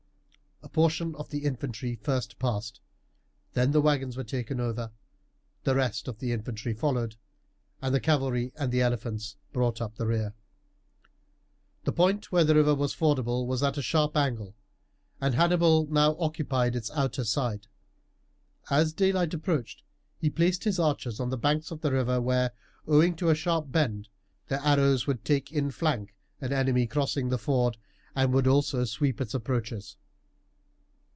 A portion of the infantry first passed, then the wagons were taken over, the rest of the infantry followed, and the cavalry and the elephants brought up the rear. The point where the river was fordable was at a sharp angle, and Hannibal now occupied its outer side. As daylight approached he placed his archers on the banks of the river where, owing to the sharp bend, their arrows would take in flank an enemy crossing the ford, and would also sweep its approaches.